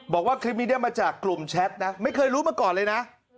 บอกว่าคลิปนี้ได้มาจากกลุ่มแชทนะไม่เคยรู้มาก่อนเลยนะ